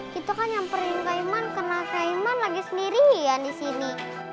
kita kan nyamperin kayman karena kayman lagi sendirian disini